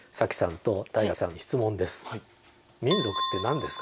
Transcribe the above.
民族って何ですか？